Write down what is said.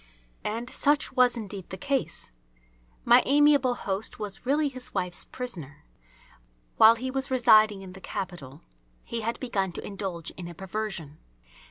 And such was indeed the case. My amiable host was really his wife's prisoner. While he was residing in the capital he had begun to indulge in a perversion.